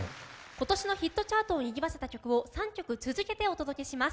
今年のヒットチャートをにぎわせた曲を３曲続けて、お届けします。